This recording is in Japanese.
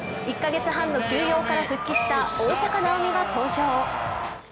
１カ月半の休養から復帰した大坂なおみが登場。